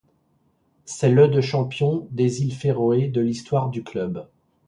C'est le de champion des îles Féroé de l'histoire du club.